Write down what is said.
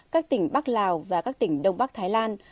các tỉnh bắc lào và các tỉnh đông bắc thái lan